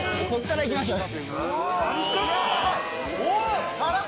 こっからいきましょう。